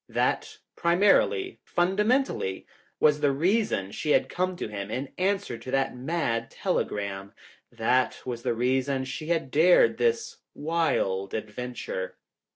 That, primarily, fundamentally, was the reason she had come to him in answer to that mad telegram. That was the reason she had dared this wild adventure.